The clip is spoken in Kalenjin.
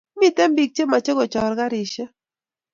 Miten pik che mache kochor karishek